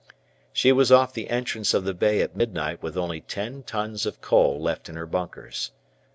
She was off the entrance of the Bay at midnight with only ten tons of coal left in her bunkers.